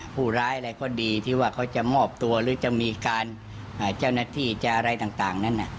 ผู้ร้ายอะไรก็ดีที่ว่าเขาจะมอบตัวหรือจะมีการเจ้าหน้าที่จะอะไรต่างนั้น